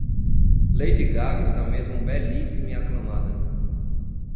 Lady Gaga está mesmo belíssima e aclamada